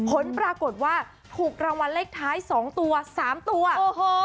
ผลปรากฏว่าถูกรางวัลเลขท้ายสองตัวสามตัวโอ้โห